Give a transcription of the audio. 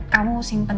kamu simpen ya